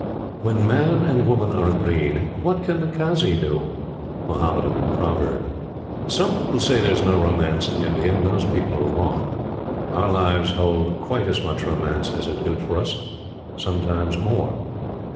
When Man and Woman are agreed, what can the Kazi do? Mahomedan Proverb. Some people say that there is no romance in India. Those people are wrong. Our lives hold quite as much romance as is good for us. Sometimes more.